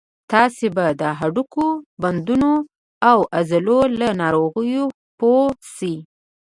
تاسې به د هډوکو، بندونو او عضلو له ناروغیو پوه شئ.